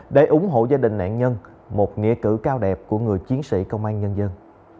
để ủng hộ gia đình nạn nhân một nghĩa cử cao đẹp của người chiến sĩ công an nhân dân